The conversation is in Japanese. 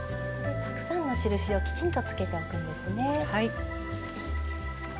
たくさんの印をきちんとつけておくんですね。